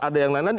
ada yang lain lain